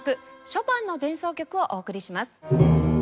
ショパンの前奏曲をお送りします。